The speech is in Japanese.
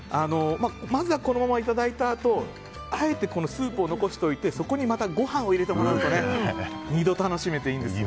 まず、このままいただいたあとあえてスープを残しておいてそこにまたご飯を入れてもらうと二度楽しめて美味しいです。